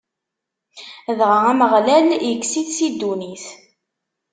Dɣa Ameɣlal ikkes-it si ddunit.